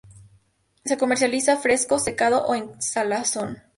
Se comercializa fresco, secado o en salazón.